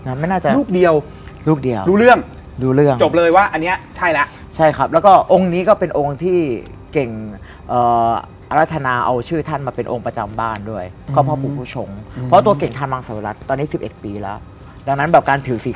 มันถือสีขาวก็คือการที่แบบมันนุ่มขาวบำขาวอะไรอย่างนี้